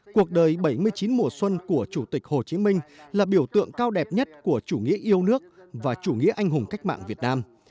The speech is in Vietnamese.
cuộc đời bảy mươi chín mùa xuân của chủ tịch hồ chí minh là biểu tượng cao đẹp nhất của chủ nghĩa yêu nước và chủ nghĩa anh hùng cách mạng việt nam